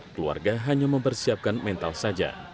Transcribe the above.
keluarga hanya mempersiapkan mental saja